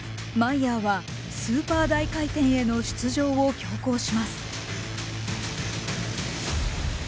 マイヤーはスーパー大回転への出場を強行します。